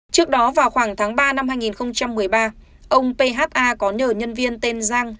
trước đó vào khoảng tháng ba năm hai nghìn một mươi ba ông phạm h a có nhờ nhân viên tên giang